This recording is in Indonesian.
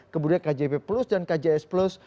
kemudian kjp plus dan kjs plus